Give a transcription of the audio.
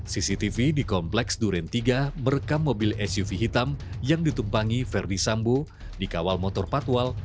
cctv di kompleks duren tiga merekam mobil suv hitam yang ditumpangi ferdi sambo di kawal motor patwal